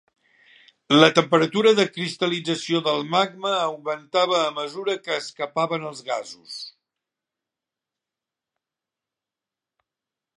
La temperatura de cristal·lització del magma augmentava a mesura que escapaven els gasos.